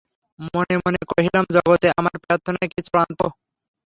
মনে মনে কহিলাম, জগতে আমার প্রার্থনাই কি চূড়ান্ত।